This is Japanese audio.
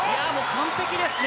完璧ですね！